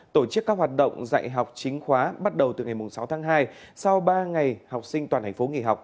tổ chức các hoạt động dạy học chính khóa bắt đầu từ ngày sáu tháng hai sau ba ngày học sinh toàn thành phố nghỉ học